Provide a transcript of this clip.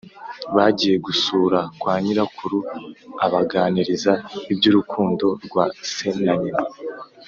Bagiye gusura kwa nyirakuru abaganiriza ibyurukondo rwa se na nyina